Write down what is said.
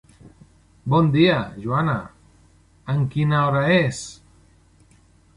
Bon dia, Joana, en quina hora és?